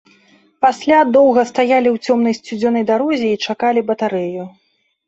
Пасля доўга стаялі ў цёмнай сцюдзёнай дарозе і чакалі батарэю.